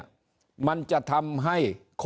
ถ้าท่านผู้ชมติดตามข่าวสาร